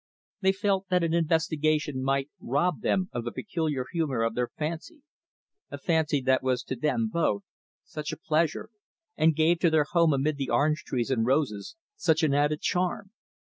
They felt that an investigation might rob them of the peculiar humor of their fancy a fancy that was to them, both, such a pleasure; and gave to their home amid the orange trees and roses such an added charm.